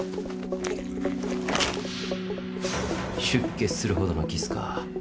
出血するほどのキスか。